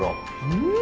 うん！